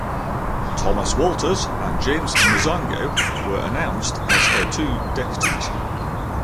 Thomas Walters and James Masango were announced as two her deputies.